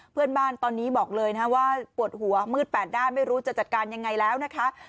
เพื่อนบ้านตอนนี้บอกเลยนะว่าปวดหัวมืดแปดด้านไม่รู้จะจัดการยังไงแล้วนะคะ